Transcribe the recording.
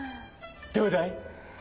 どうだい？